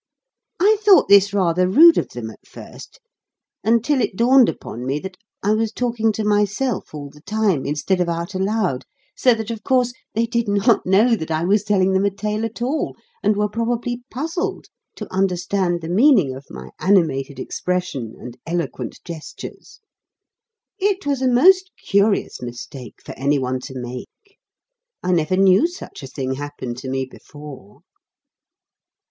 I thought this rather rude of them at first, until it dawned upon me that I was talking to myself all the time, instead of out aloud, so that, of course, they did not know that I was telling them a tale at all, and were probably puzzled to understand the meaning of my animated expression and eloquent gestures. It was a most curious mistake for any one to make. I never knew such a thing happen to me before.